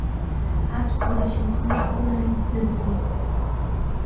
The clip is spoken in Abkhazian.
Аԥсуа ашьамхнышгылара издырӡом.